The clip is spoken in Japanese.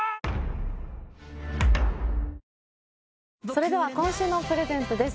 それでは今週のプレゼントです